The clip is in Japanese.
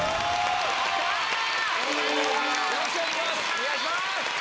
お願いします！